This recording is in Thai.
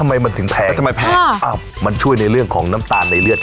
อ้าวโหพลุกเลย